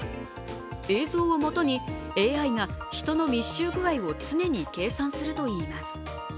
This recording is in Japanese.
映像をもとにＡＩが人の密集具合を常に計算するといいます。